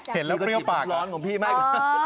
เห็นแล้วเปรี้ยวปาก